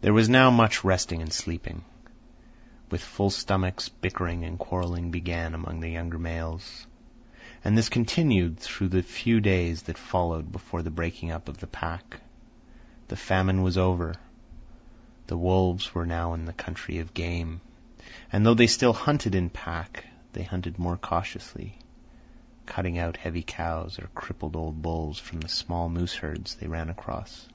There was now much resting and sleeping. With full stomachs, bickering and quarrelling began among the younger males, and this continued through the few days that followed before the breaking up of the pack. The famine was over. The wolves were now in the country of game, and though they still hunted in pack, they hunted more cautiously, cutting out heavy cows or crippled old bulls from the small moose herds they ran across.